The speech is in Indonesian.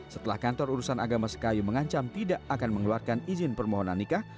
setelah kantor urusan agama sekayu mengancam tidak akan mengeluarkan izin permohonan nikah